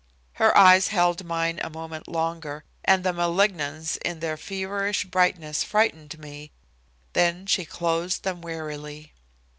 Her eyes held mine a moment longer, and the malignance in their feverish brightness frightened me. Then she closed them wearily.